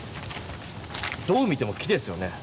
どう見ても木ですよね。